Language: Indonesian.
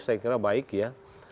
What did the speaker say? saya kira baik ya